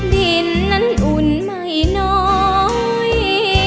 ดินนั้นอุ่นไม่น้อย